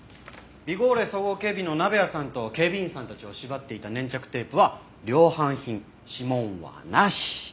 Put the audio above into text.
ビゴーレ総合警備の鍋谷さんと警備員さんたちを縛っていた粘着テープは量販品指紋はなし。